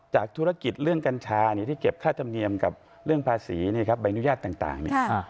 ธุรกิจเรื่องกัญชาที่เก็บค่าธรรมเนียมกับเรื่องภาษีใบอนุญาตต่างเนี่ย